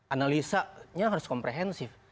analisanya harus komprehensif